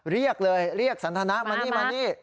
เรียกเลยเรียกสันทนะมานี่มานี่